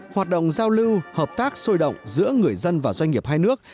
hoạt động giao lưu hợp tác sôi động giữa người dân và doanh nghiệp hai nước